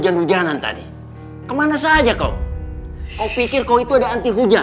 can yu letak masa adorable'nya